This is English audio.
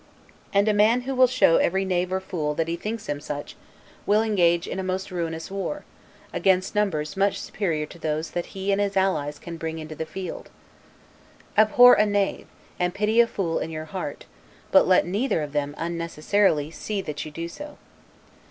And a man who will show every knave or fool that he thinks him such, will engage in a most ruinous war, against numbers much superior to those that he and his allies can bring into the field. Abhor a knave, and pity a fool in your heart; but let neither of them, unnecessarily, see that you do so.